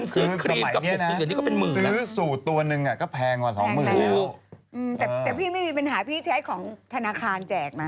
แต่ไม่มีปัญหาใช้ของธารณาคารแจกไหม